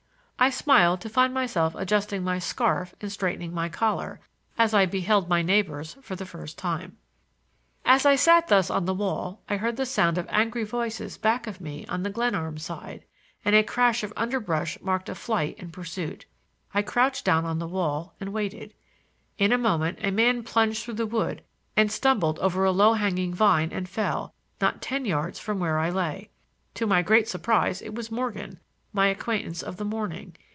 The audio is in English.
I smiled to find myself adjusting my scarf and straightening my collar as I beheld my neighbors for the first time. As I sat thus on the wall I heard the sound of angry voices back of me on the Glenarm side, and a crash of underbrush marked a flight and pursuit. I crouched down on the wall and waited. In a moment a man plunged through the wood and stumbled over a low hanging vine and fell, not ten yards from where I lay. To my great surprise it was Morgan, my acquaintance of the morning.